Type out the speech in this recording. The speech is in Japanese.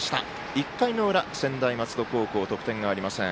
１回の裏、専大松戸高校得点がありません。